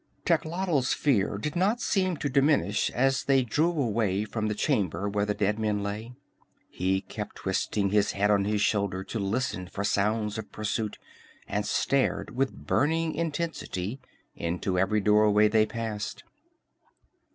Techotl's fear did not seem to diminish as they drew away from the chamber where the dead men lay. He kept twisting his head on his shoulder to listen for sounds of pursuit, and stared with burning intensity into every doorway they passed.